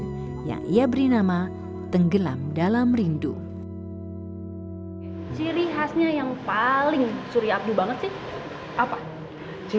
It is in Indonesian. misalnya ia hanya menggunakan teknik jahitan benang bordir untuk menghasilkan wujud koleksi tren busana pengantin